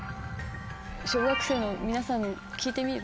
小学生の皆さんに聞いてみる？